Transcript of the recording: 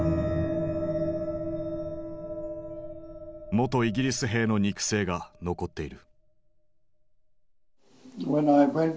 元イギリス兵の肉声が残っている。